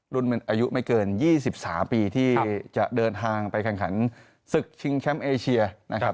อายุไม่เกิน๒๓ปีที่จะเดินทางไปแข่งขันศึกชิงแชมป์เอเชียนะครับ